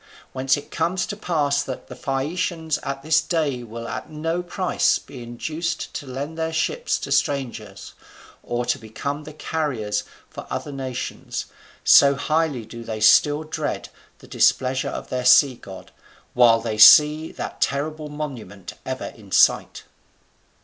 Whence it comes to pass that the Phaeacians at this day will at no price be induced to lend their ships to strangers, or to become the carriers for other nations, so highly do they still dread the displeasure of their sea god, while they see that terrible monument ever in sight.